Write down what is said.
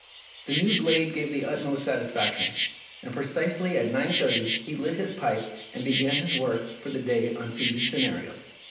The new blade gave the utmost satisfac tion, and precisely at nine thirty he lit his first pipe and began his work for the day on Phoebe's scenario.